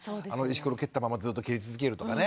石ころ蹴ったままずっと蹴り続けるとかね。